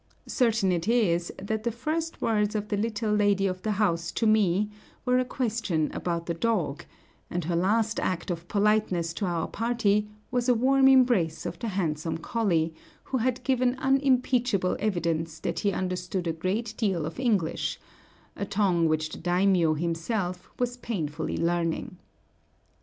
Certain it is that the first words of the little lady of the house to me were a question about the dog; and her last act of politeness to our party was a warm embrace of the handsome collie, who had given unimpeachable evidence that he understood a great deal of English, a tongue which the daimiō himself was painfully learning.